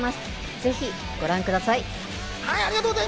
ぜひご覧ください。